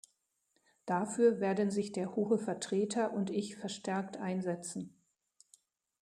Dafür werden sich der Hohe Vertreter und ich verstärkt einsetzen.